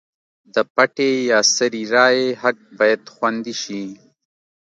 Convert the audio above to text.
د پټې یا سري رایې حق باید خوندي شي.